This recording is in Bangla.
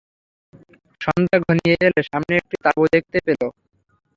সন্ধ্যা ঘনিয়ে এলে সামনে একটি তাঁবু দেখতে পেল।